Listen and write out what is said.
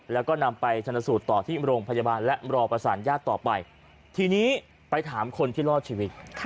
แล้วก็นำไปชนสูตรต่อที่โรงพยาบาลและรอประสานญาติต่อไปทีนี้ไปถามคนที่รอดชีวิต